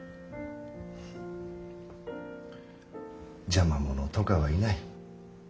邪魔者とかはいない。